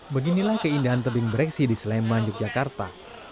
beginilah keindahan tebing breksi di sleman yogyakarta